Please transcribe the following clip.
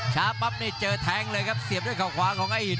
ปั๊บนี่เจอแทงเลยครับเสียบด้วยเขาขวาของไอ้อิต